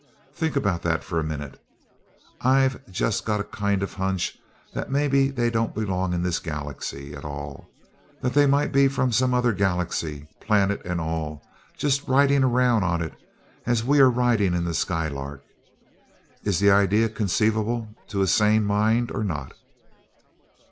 Think about that for a minute!... I've just got a kind of a hunch that maybe they don't belong in this Galaxy at all that they might be from some other Galaxy, planet and all; just riding around on it, as we are riding in the Skylark. Is the idea conceivable to a sane mind, or not?"